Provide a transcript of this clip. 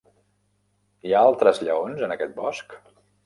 Hi ha altres lleons en aquest bosc?